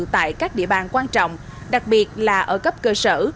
tại các địa bàn quan trọng đặc biệt là ở cấp cơ sở